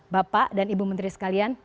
bapak dan ibu menteri sekalian